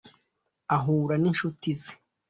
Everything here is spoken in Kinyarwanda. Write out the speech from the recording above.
ahura n’inshuti ze.